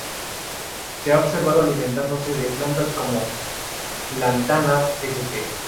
Se ha observado alimentándose de plantas como "Lantana sp.